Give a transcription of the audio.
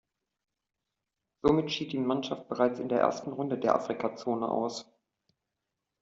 Somit schied die Mannschaft bereits in der ersten Runde der Afrika-Zone aus.